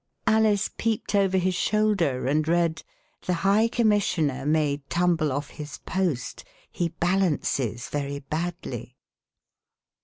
Alice peeped over his shoulder and read :The High Commissioner may tumble off his post ; he balances very badly."